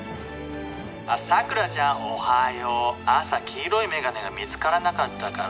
「桜ちゃんおはよう」「朝黄色いメガネが見つからなかったから」